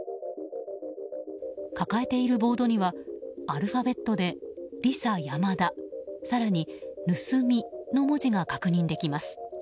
抱えているボードにはアルファベットで「ＲＩＳＡＹＡＭＡＤＡ」更に、盗みの文字が確認できます。